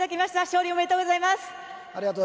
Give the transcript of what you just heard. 勝利おめでとうございます。